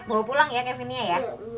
bawa pulang ya kevinnya ya